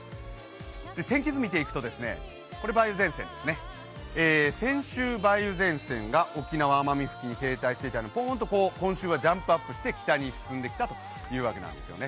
天気図見ていくと、先週梅雨前線が沖縄・奄美付近に停滞していたのが今週はジャンプアップして北に進んできたということですね。